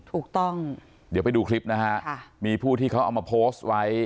ถูกต้องเดี๋ยวไปดูคลิปนะฮะมีผู้ที่เขาเอามาโพสต์ไว้